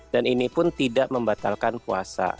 dan ini pun tidak membatalkan puasa